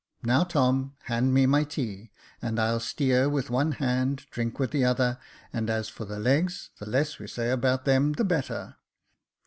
Now, Tom, hand me my tea, and I'll steer with one hand, drink with the other, and as for the legs, the less we say about them the better.